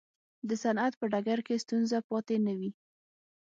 د صنعت په ډګر کې ستونزه پاتې نه وي.